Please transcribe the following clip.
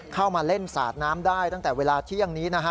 เข้ามาเล่นสาดน้ำได้ตั้งแต่เวลาเที่ยงนี้นะฮะ